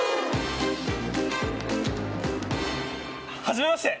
初めまして。